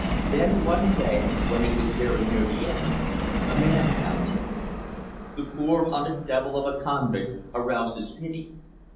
"Then, one day, when he was very near the end, a man found him. The poor hunted devil of a convict aroused his pity.